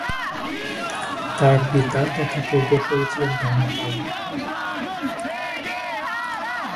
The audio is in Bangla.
তার পিতা তথা পূর্বসূরি ছিলেন ধর্মপাল।